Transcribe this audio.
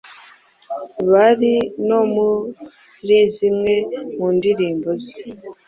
bari no muri zimwe mu ndirimbo ze.